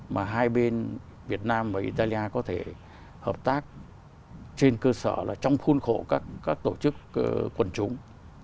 mà hai bên việt nam và italia có thể hợp tác trên cơ sở là trong khuôn khổ các tổ chức quần chúng